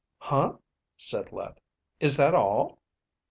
"Huh?" said Let. "Is that all?"